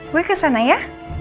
gue kesana ya